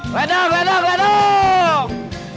ledang ledang ledang